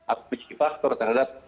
apa faktor terhadap